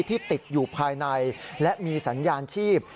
ที่ติดอยู่ภายในและมีสัญญาณชีพ